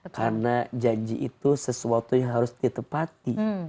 karena janji itu sesuatu yang harus ditepati